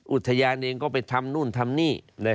อุทยานเองก็ไปทำนู่นทำนี่